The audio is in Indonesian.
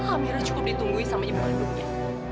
amirah cukup ditunggui sama ibu pandungnya